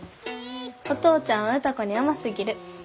お父ちゃんは歌子に甘すぎる。